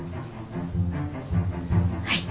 はい。